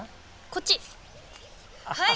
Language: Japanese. こっち！